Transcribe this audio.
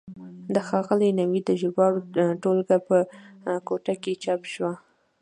د ښاغلي نوید د ژباړو ټولګه په کوټه کې چاپ شوه.